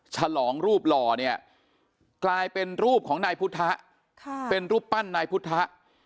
ฉลองรูปหล่อเนี่ยกลายเป็นรูปของนายพุทธะเป็นรูปปั้นนายพุทธ